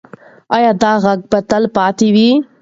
ایا دا غږ به تل پاتې وي؟